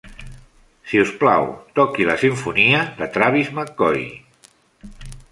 Si us plau, toqui la simfonia de Travis Mccoy